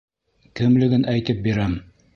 Кемлеген әйтеп бирәм.